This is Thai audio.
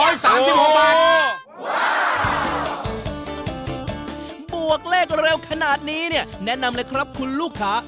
ว่าวววววววววววววบวกเลขเร็วขนาดนี้เนี่ยแนะนำเลยครับคุณลูกขา